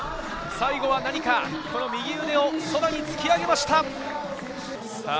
最後は右腕を空に突き上げました。